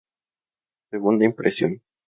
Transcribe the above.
Segunda Impresión.